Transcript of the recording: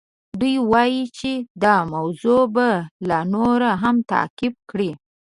دوی وایي چې دا موضوع به لا نوره هم تعقیب کړي.